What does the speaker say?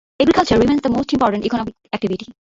Agriculture remains the most important economic activity.